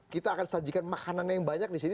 kita akan sajikan makanan yang banyak disini